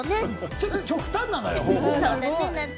ちょっと極端なのよ！